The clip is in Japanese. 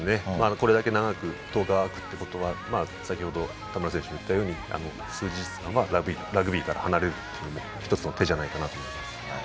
これだけ長く１０日空くということは先程、田村選手も言ったように数日間はラグビーから離れるのも１つの手じゃないかなと思います。